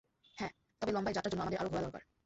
হ্যাঁ, তবে লম্বা এ যাত্রার জন্য, আমাদের আরও ঘোড়া দরকার।